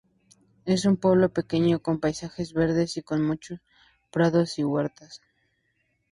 Es un pueblo pequeño con paisajes verdes y con muchos prados y huertas.